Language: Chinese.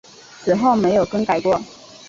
此后没有更改过。